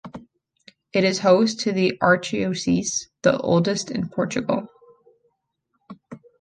It is host to the archdiocese, the oldest in Portugal.